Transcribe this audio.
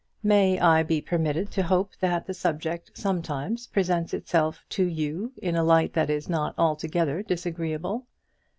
May I be permitted to hope that that subject sometimes presents itself to you in a light that is not altogether disagreeable.